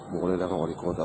boleh dengan wali kota